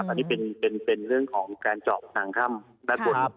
อันนี้เป็นเรื่องของการเจาะทางถ้ำด้านบน